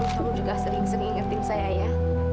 kamu juga sering sering ngetin saya ya